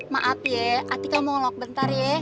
maaf ya atika mau ngelok bentar ya